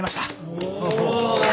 お。